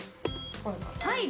はい。